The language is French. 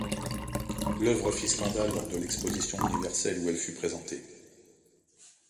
L'œuvre fit scandale lors de l'exposition universelle où elle fut présentée.